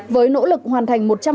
với nỗ lực hoàn thành một trăm linh